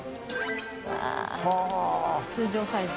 呂繊「通常サイズ」